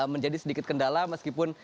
menjadi sedikit kendala meskipun